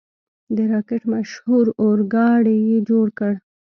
د راکټ مشهور اورګاډی یې جوړ کړ.